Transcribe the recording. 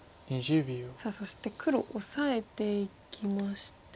さあそして黒オサえていきまして。